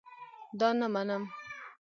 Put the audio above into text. دا نه منم